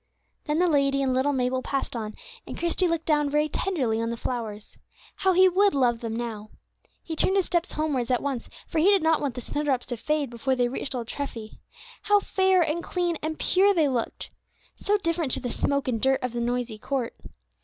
Then the lady and little Mabel passed on, and Christie looked down very tenderly on the flowers. How he would love them now! He turned his steps homewards at once, for he did not want the snowdrops to fade before they reached old Treffy. How fair, and clean, and pure they looked! So different to the smoke and dirt of the noisy court.